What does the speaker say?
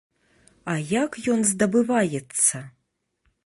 А як ён здабываецца?